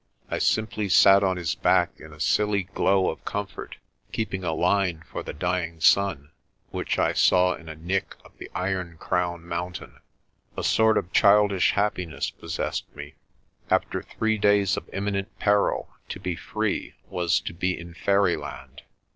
I simply sat on his back in a silly glow of comfort, keeping a line for the dying sun, which I saw in a nick of the Iron Crown Mountain. A sort of childish happiness possessed me. After three days of imminent peril, to be free was to be in fairyland.